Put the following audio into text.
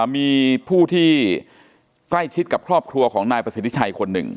มีผู้ที่ใกล้ชิดกับครอบครัวของนายประสิทธิชัยคนหนึ่ง